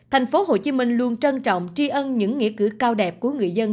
thành phố hồ chí minh luôn trân trọng tri ân những nghĩa cử cao đẹp của người dân